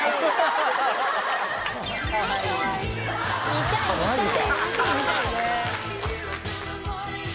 見たい見たい！